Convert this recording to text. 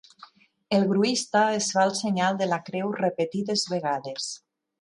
El gruista es fa el senyal de la creu repetides vegades.